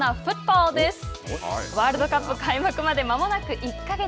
ワールドカップ開幕までまもなく１か月。